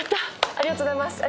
ありがとうございます。